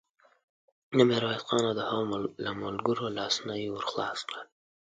د ميرويس خان او د هغه د ملګرو لاسونه يې ور خلاص کړل.